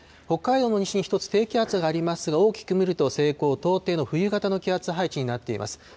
北海道の西に１つ低気圧がありますが、大きく見ると、西高東低の冬型の気圧配置になっています。